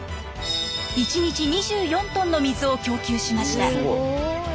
１日２４トンの水を供給しました。